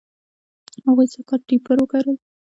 هغوی سږ کال ټیپر و کرل.